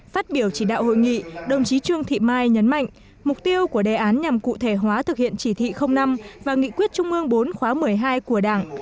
và đạo hội nghị đồng chí trương thị mai nhấn mạnh mục tiêu của đề án nhằm cụ thể hóa thực hiện chỉ thị năm và nghị quyết trung mương bốn khóa một mươi hai của đảng